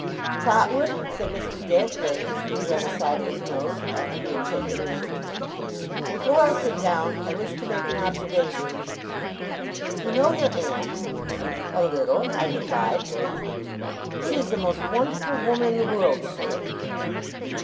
'Trotwood,' said Mr. Dick, laying his finger on the side of his nose, after he had shaken hands with me. 'Before I sit down, I wish to make an observation. You know your aunt?' 'A little,' I replied. 'She is the most wonderful woman in the world, sir!